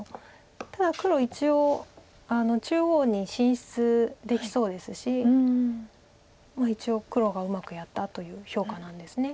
ただ黒一応中央に進出できそうですし一応黒がうまくやったという評価なんですね。